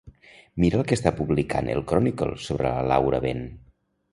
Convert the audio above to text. Mira el que està publicant el Chronicle sobre la Laura Ben.